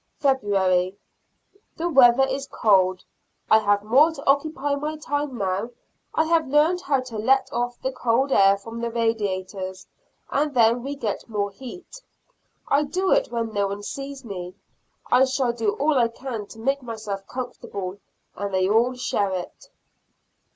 February. The weather is cold. I have more to occupy my time now. I have learned how to let off the cold air from the radiators, and then we get more heat. I do it when no one sees me. I shall do all I can to make myself comfortable, and they all share it.